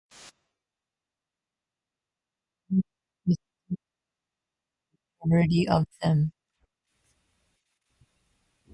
However, animism is still profound with majority of them.